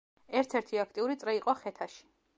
ერთ-ერთი აქტიური წრე იყო ხეთაში.